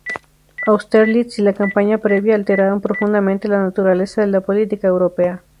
Austerlitz y la campaña previa alteraron profundamente la naturaleza de la política europea.